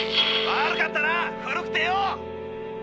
悪かったな古くてよ！